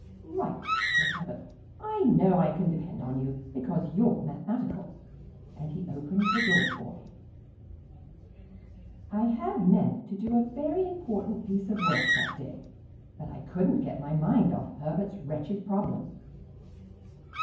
"Right," said Herbert. "I know I can depend on you, because you're mathematical." And he opened the door for me. I had meant to do a very important piece of work that day, but I couldn't get my mind off Herbert's wretched problem.